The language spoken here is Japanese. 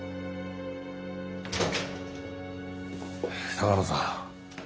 鷹野さん。